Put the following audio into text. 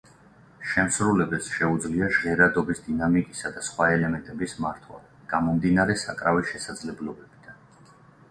შემსრულებელს შეუძლია ჟღერადობის დინამიკის და სხვა ელემენტების მართვა, გამომდინარე საკრავის შესაძლებლობებიდან.